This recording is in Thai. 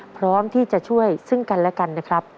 พร้อมที่จะช่วยซึ่งกันและกันนะครับ